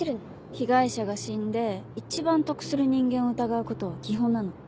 被害者が死んで一番得する人間を疑うことは基本なの。